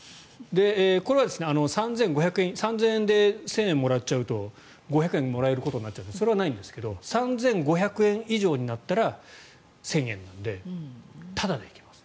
これは３０００円で１０００円もらっちゃうと５００円もらえることになっちゃうのでそれはないんですけど３５００円以上になったら１０００円なのでタダで行けます。